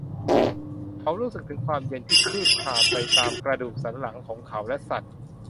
เขารู้สึกถึงความเย็นที่คืบคลานไปตามกระดูกสันหลังของเขาและสั่น